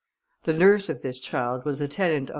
The nurse of this child was a tenant of M.